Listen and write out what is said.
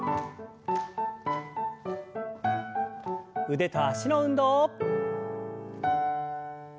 腕と脚の運動。